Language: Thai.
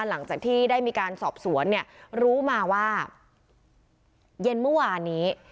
หลังจากที่ได้มีการสอบสวนเนี่ยรู้มาว่าเย็นเมื่อวานนี้